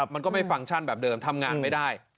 มันก็ไม่ฟังก์ชั่นแบบเดิมทำงานไม่ได้